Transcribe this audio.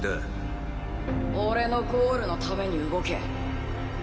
俺のゴールのために動け。